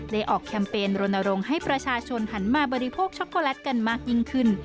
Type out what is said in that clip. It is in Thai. ออกแคมเปญรณรงค์ให้ประชาชนหันมาบริโภคช็อกโกแลตกันมากยิ่งขึ้น